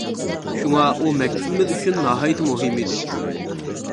شۇڭا ئۇ مەكتىپىمىز ئۈچۈن ناھايىتى مۇھىم ئىدى.